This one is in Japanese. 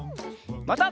また。